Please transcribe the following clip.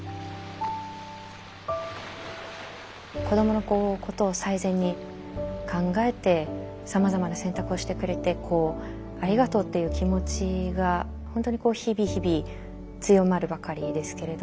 子どものことを最善に考えてさまざまな選択をしてくれてありがとうっていう気持ちが本当に日々日々強まるばかりですけれど。